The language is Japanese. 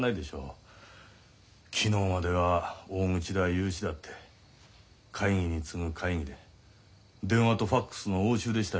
昨日までは大口だ融資だって会議に次ぐ会議で電話とファックスの応酬でしたよ。